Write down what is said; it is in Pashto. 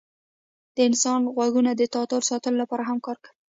د انسان غوږونه د تعادل ساتلو لپاره هم کار کوي.